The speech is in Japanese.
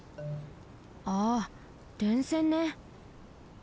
ああ電線ね。